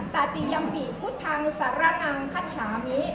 ทุติยังปิตพุทธธังสาระนังขาชามี